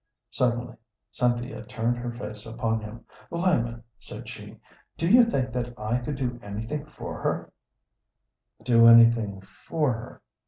Suddenly Cynthia turned her face upon him. "Lyman," said she, "do you think that I could do anything for her " "Do anything for her?"